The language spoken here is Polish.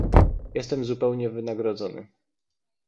"Jestem zupełnie wynagrodzony."